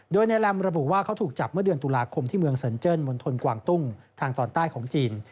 โดยในแรมระบุว่าเขาถูกจับเมื่อเดือนตุลาคมที่เมืองสันเจิ้นมณฑลกวางตุ้งทางตอนใต้ของจีน